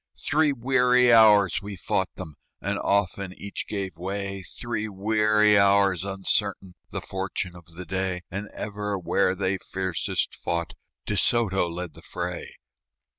Three weary hours we fought them, And often each gave way; Three weary hours, uncertain The fortune of the day; And ever where they fiercest fought De Soto led the fray.